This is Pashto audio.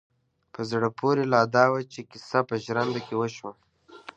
په زړه پورې لا دا وه چې کيسه په ژرنده کې وشوه.